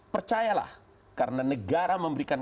percayalah karena negara memberikan